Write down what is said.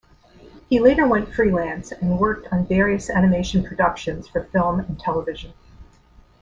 He later went freelance and worked on various animation productions for film and television.